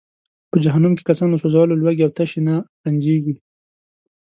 په جهنم کې کسان له سوځولو، لوږې او تشې نه رنجیږي.